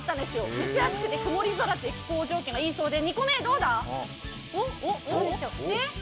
蒸し暑くて曇り空という気候条件がいいそうで、２個目、どうだ？